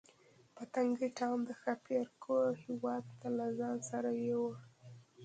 پتنګې ټام د ښاپیرکو هیواد ته له ځان سره یووړ.